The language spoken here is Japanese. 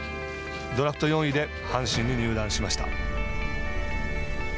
ドラフト４位で阪神に入団しました。